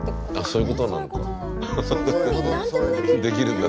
そういうことなんだ。